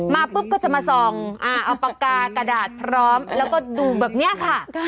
ปุ๊บก็จะมาส่องเอาปากกากระดาษพร้อมแล้วก็ดูแบบนี้ค่ะ